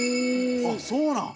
あっそうなん？